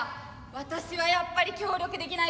私はやっぱり協力できないかな」。